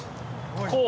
こう。